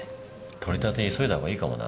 取り立て急いだほうがいいかもな。